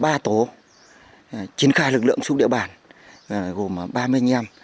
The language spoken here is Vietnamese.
và chúng tôi đã chiến khai lực lượng xuống địa bàn gồm ba mươi anh em